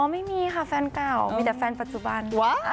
ไม่มีค่ะแฟนเก่ามีแต่แฟนปัจจุบันด้วย